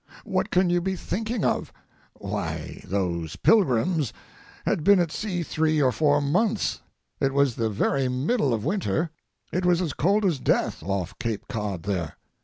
What can you be thinking of? Why, those Pilgrims had been at sea three or four months. It was the very middle of winter: it was as cold as death off Cape Cod there.